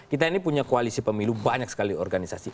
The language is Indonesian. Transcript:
kita ini punya koalisi pemilu banyak sekali organisasi